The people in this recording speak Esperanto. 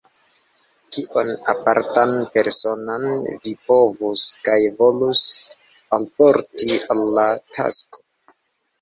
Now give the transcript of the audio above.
Kion apartan, personan, vi povus kaj volus alporti al la tasko?